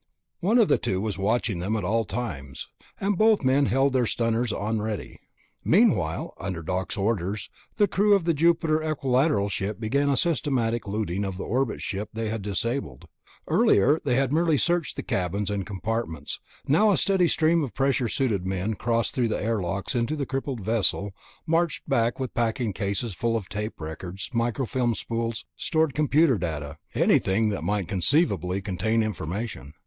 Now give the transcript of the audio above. One of the two was watching them at all times, and both men held their stunners on ready. Meanwhile, under Doc's orders, the crew of the Jupiter Equilateral ship began a systematic looting of the orbit ship they had disabled. Earlier they had merely searched the cabins and compartments. Now a steady stream of pressure suited men crossed through the airlocks into the crippled vessel, marched back with packing cases full of tape records, microfilm spools, stored computer data ... anything that might conceivably contain information.